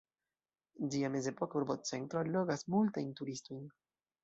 Ĝia mezepoka urbocentro allogas multajn turistojn.